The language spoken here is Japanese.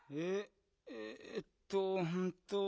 えっとうんと。